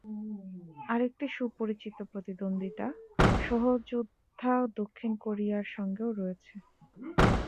আরেকটি সুপরিচিত প্রতিদ্বন্দ্বিতা সহযোদ্ধা দক্ষিণ কোরিয়ার সঙ্গেও রয়েছে।